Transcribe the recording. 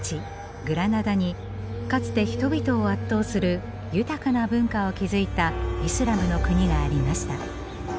グラナダにかつて人々を圧倒する豊かな文化を築いたイスラムの国がありました。